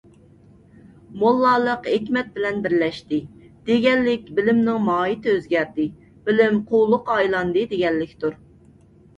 «موللا»لىق «ھېكمەت» بىلەن بىرلەشتى، دېگەنلىك بىلىمنىڭ ماھىيتى ئۆزگەردى، بىلىم قۇۋلۇققا ئايلاندى دېگەنلىكتۇر.